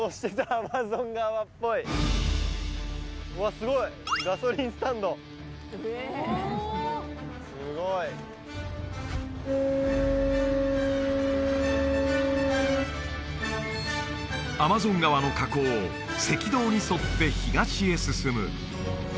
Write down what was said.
すごいすごいアマゾン川の河口を赤道に沿って東へ進む